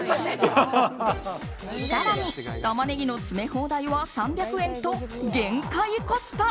更に、タマネギの詰め放題は３００円と限界コスパ。